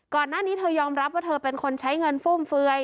ก่อนหน้านี้เธอยอมรับว่าเธอเป็นคนใช้เงินฟุ่มเฟือย